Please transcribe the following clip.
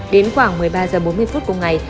đến khoảng một mươi ba h bốn mươi phút cùng ngày